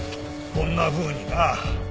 こんなふうにな。